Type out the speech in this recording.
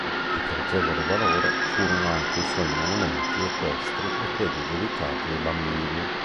Di pregevole valore furono anche i suoi monumenti equestri e quelli dedicati ai bambini.